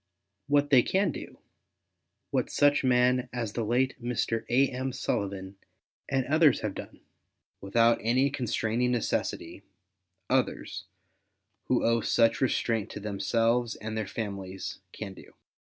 What they can do, what such men as the late Mr. A. M. Sullivan and others have done, without any constraining necessity, others, who owe such restraint to themselves and their families, can do.